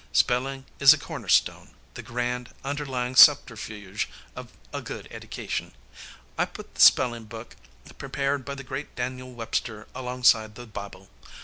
Spelling is the corner stone, the grand, underlying subterfuge, of a good eddication. I put the spellin' book prepared by the great Daniel Webster alongside the Bible.